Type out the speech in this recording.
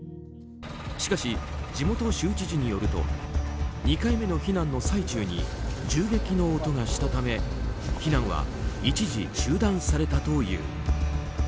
しかし、地元州知事によると２回目の避難の最中に銃撃の音がしたため避難は一時中断されたという。